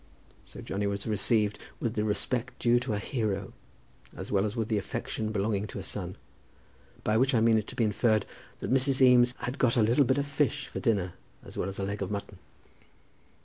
So Johnny was received with the respect due to a hero, as well as with the affection belonging to a son; by which I mean it to be inferred that Mrs. Eames had got a little bit of fish for dinner as well as a leg of mutton.